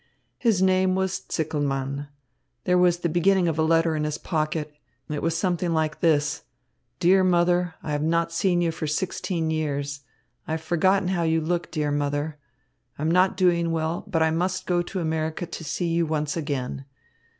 "His name was Zickelmann. There was the beginning of a letter in his pocket. It was something like this: 'Dear mother, I have not seen you for sixteen years. I have forgotten how you look, dear mother. I am not doing well, but I must go to America to see you once again.